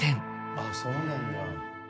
あっそうなんだ。